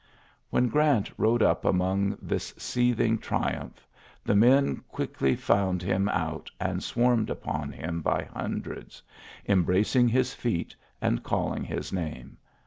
When Grant rode up amon seething triumph, the men quickly him out, and swarmed upon h: hundreds, embracing his feet and < his name.